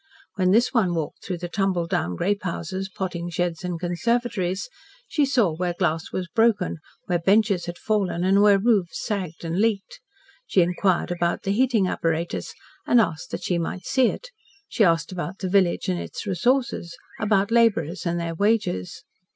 When this one walked through the tumbled down grape houses, potting sheds and conservatories, she saw where glass was broken, where benches had fallen and where roofs sagged and leaked. She inquired about the heating apparatus and asked that she might see it. She asked about the village and its resources, about labourers and their wages.